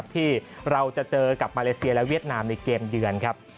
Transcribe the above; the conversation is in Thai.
ที่เราจะเจอกับมาเลเซียและเวียดนามในเกมเยือนครับ